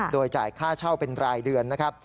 โดยจ่ายค่าเช่าเป็นรายเดือนนะครับ